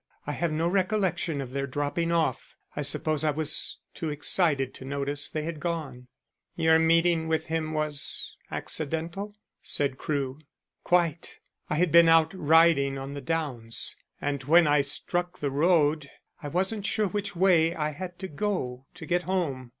I have no recollection of their dropping off I suppose I was too excited to notice they had gone." "Your meeting with him was accidental?" said Crewe. "Quite. I had been out riding on the downs and when I struck the road I wasn't sure which way I had to go to get home.